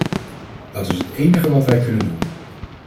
Dat is het enige wat wij kunnen doen.